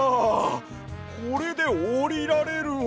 これでおりられるわ。